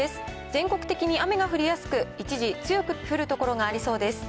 全国的に雨が降りやすく、一時強く降る所がありそうです。